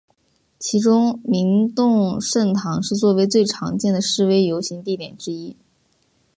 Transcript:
其中明洞圣堂是作为最常见的示威游行地点之一。